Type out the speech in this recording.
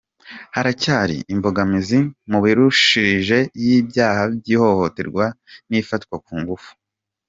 Haracyari imbogamizi mu miburanishirije y’ibyaha by’ihohoterwa n’ifatwa ku ngufu